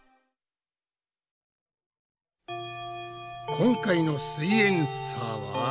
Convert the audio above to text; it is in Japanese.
今回の「すイエんサー」は。